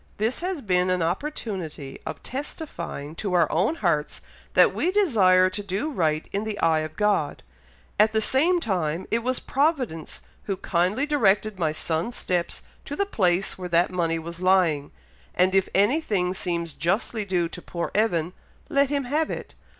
This has been an opportunity of testifying to our own hearts that we desire to do right in the eye of God. At the same time, it was Providence who kindly directed my son's steps to the place where that money was lying; and if anything seems justly due to poor Evan, let him have it.